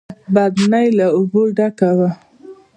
بدنۍ له اوبو ډکه وه.